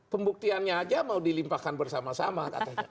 pembuktiannya aja mau dilimpahkan bersama sama katanya